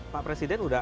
pak presiden sudah